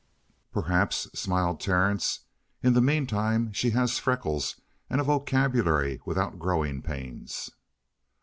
"Perhaps," smiled Terence. "In the meantime she has freckles and a vocabulary without growing pains."